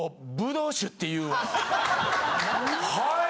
はい！